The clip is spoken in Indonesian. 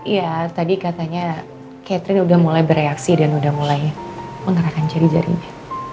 ya tadi katanya catherine udah mulai bereaksi dan udah mulai menggerakkan jari jarinya